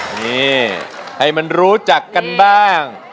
นี่ให้มันรู้จักกันบ้าง